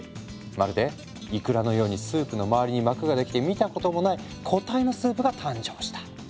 まるでいくらのようにスープの周りに膜ができて見たこともない固体のスープが誕生した。